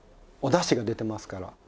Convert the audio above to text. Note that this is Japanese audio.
おだしが出てますから。